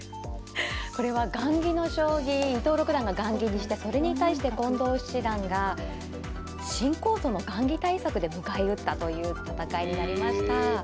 これは雁木の将棋伊藤六段が雁木にしてそれに対して近藤七段が新構想の雁木対策で迎え撃ったという戦いになりました。